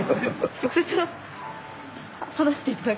直接話して頂く。